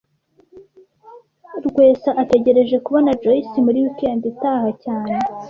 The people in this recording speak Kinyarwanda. Rwesa ategereje kubona Joyce muri wikendi itaha cyane